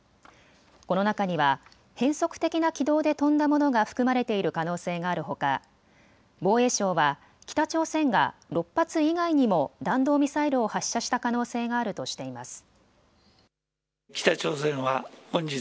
この中には変則的な軌道で飛んだものが含まれている可能性があるほか防衛省は北朝鮮が６発以外にも弾道ミサイルを発射した可能性があるとしています。